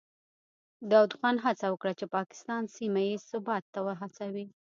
داود خان هڅه وکړه چې پاکستان سیمه ییز ثبات ته وهڅوي.